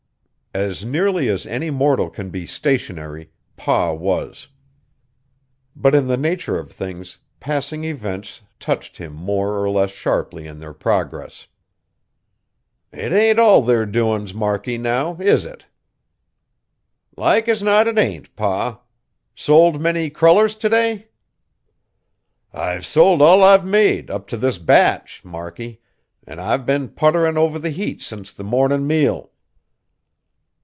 As nearly as any mortal can be stationary, Pa was; but in the nature of things, passing events touched him more or less sharply in their progress. "It ain't all their doin's, Markie, now is it?" "Like as not it ain't, Pa. Sold many crullers t' day?" "I've sold all I've made, up t' this batch, Markie, an' I've been putterin' over the heat since the mornin' meal."